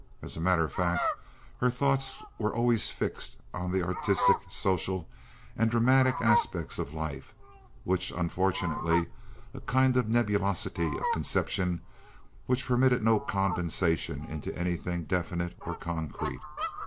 As a matter of fact, her thoughts were always fixed on the artistic, social, and dramatic aspects of life, with unfortunately a kind of nebulosity of conception which permitted no condensation into anything definite or concrete.